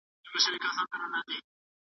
خپله نه ماتېدونکې هیله وینو.